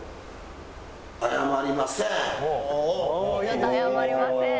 出た「謝りません」。